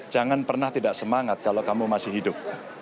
jangan pernah tidak semangat kalau kamu masih hidup